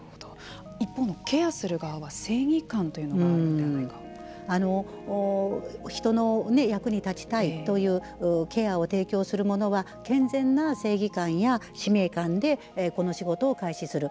一方のケアする側は正義感というものが人の役に立ちたいというケアを提供するものは健全な正義感や使命感でこの仕事を開始する。